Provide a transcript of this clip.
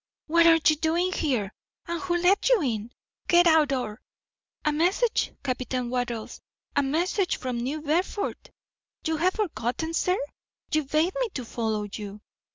"What are you doing here, and who let you in? Get out, or " "A message, Captain Wattles! A message from New Bedford. You have forgotten, sir; you bade me follow you."